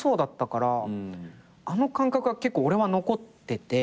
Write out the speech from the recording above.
あの感覚が結構俺は残ってて。